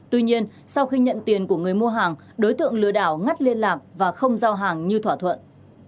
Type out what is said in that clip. tuy nhiên sau khi nhận tiền của người mua hàng đối tượng lừa đảo ngắt liên lạc và không giao hàng như thỏa thuận